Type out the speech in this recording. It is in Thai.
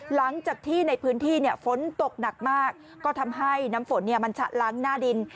หลังจากที่ในพื้นที่ฝนตกหนักมากก็ทำให้น้ำฝนมันชะล้างหน้าดิน